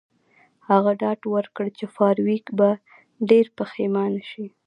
هغه ډاډ ورکړ چې فارویک به ډیر پښیمانه شي